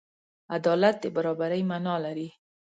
عدالت د برابري معنی لري.